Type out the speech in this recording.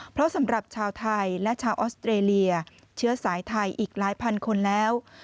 เพราะสำหรับชาวไทยและชาวออสเตรเลียเชื้อสายไทยอีกหลายพันคนแล้ว